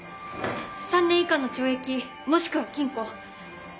３年以下の懲役もしくは禁錮。